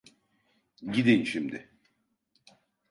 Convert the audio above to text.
Gidin şimdi.